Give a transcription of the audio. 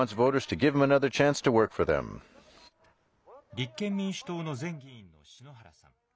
立憲民主党の前議員の篠原さん。